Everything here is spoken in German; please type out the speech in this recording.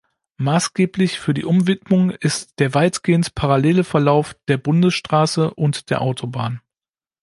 Maßgeblich für die Umwidmung ist der weitgehend parallele Verlauf der Bundesstraße und der Autobahn.